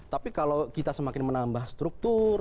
tapi kalau kita semakin menambah struktur